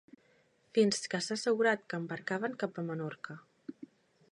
Fins que s'ha assegurat que embarcaven cap a Menorca.